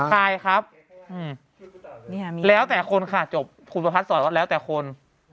คายครับอืมแล้วแต่คนค่ะจบคุณประพัทย์สอดว่าแล้วแต่คน